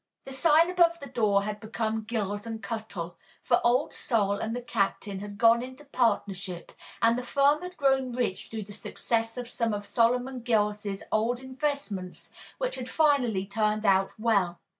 The sign above the door had become "Gills and Cuttle," for Old Sol and the Captain had gone into partnership, and the firm had grown rich through the successes of some of Solomon Gills's old investments which had finally turned out well.